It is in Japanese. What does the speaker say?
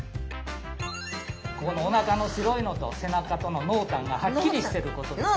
ここのおなかの白いのと背中との濃淡がはっきりしてることですね。